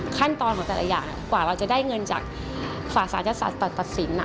ขั้นตอนของแต่ละอย่างกว่าเราจะได้เงินจากฝ่าศัยศาสตร์ตัดสิน